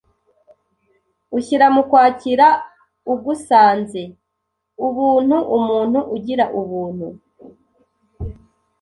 ushyira mu kwakira ugusanze. d) Ubuntu Umuntu ugira Ubuntu